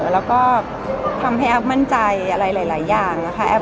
แล้วก็ทำให้แอฟมั่นใจอะไรหลายอย่างนะคะ